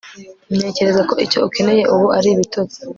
Ntekereza ko icyo ukeneye ubu ari ibitotsi